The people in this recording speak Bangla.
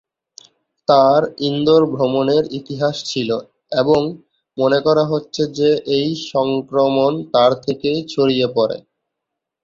তাঁর ইন্দোর ভ্রমণের ইতিহাস ছিল, এবং মনে করা হচ্ছে যে এই সংক্রমণ তাঁর থেকেই ছড়িয়ে পড়ে।